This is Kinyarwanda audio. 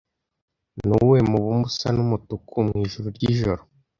Nuwuhe mubumbe usa n'umutuku mwijuru ryijoro